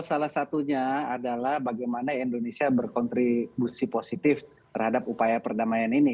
salah satunya adalah bagaimana indonesia berkontribusi positif terhadap upaya perdamaian ini